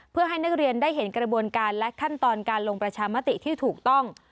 เพื่อให้นักเรียนได้เห็นกระบวนการและขั้นตอนการลงประชามติที่ถูกต้อง